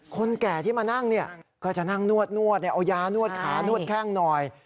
แก่ที่มานั่งเนี่ยก็จะนั่งนวดเอายานวดขานวดแข้งหน่อย